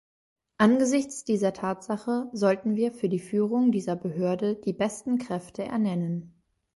Angesichts dieser Tatsache sollten wir für die Führung dieser Behörde die besten Kräfte ernennen.